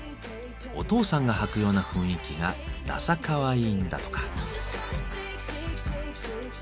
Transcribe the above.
お父さんが履くような雰囲気がダサかわいいんだとか。